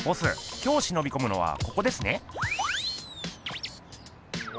今日しのびこむのはここですね。